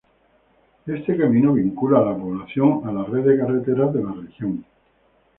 Este camino vincula la población a la red de carreteras de la región.